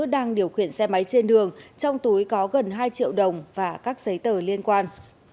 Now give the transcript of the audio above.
đang điều khiển xe máy trên đường trong túi có gần hai triệu đồng và các giấy tờ liên quan